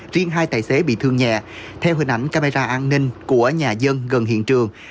riêng hai tài xế bị thương nhẹ theo hình ảnh camera an ninh của nhà dân gần hiện trường